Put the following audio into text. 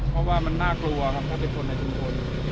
เพราะว่ามันน่ากลัวครับเพราะเป็นคนในชุมชน